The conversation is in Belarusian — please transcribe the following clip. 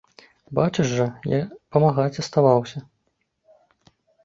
Бачыш жа, я памагаць аставаўся.